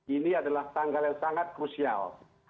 ini adalah tanggal yang sangat krusial